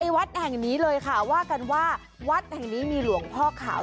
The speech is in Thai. วัดแห่งนี้เลยค่ะว่ากันว่าวัดแห่งนี้มีหลวงพ่อขาว